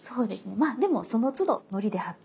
まあでもそのつどのりで貼って。